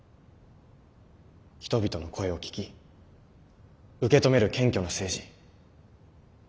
人々の声を聞き受け止める謙虚な政治。